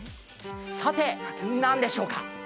さて、何でしょうか？